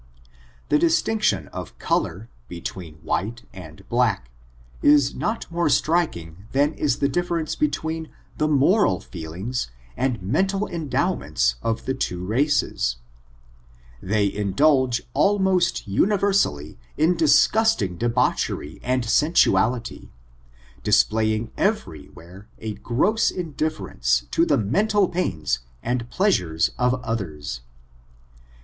The distinction of color, between white and black, is not more striking than is the difference between the moral feelings and meyital endowments of the two races. They indulge almost universally in dis gusting debauchery and sensuality, displaying every where a gross indifference to the mental pains and pleasures of others.